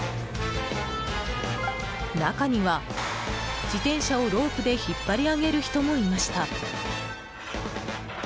中には、自転車をロープで引っ張り上げる人もいました。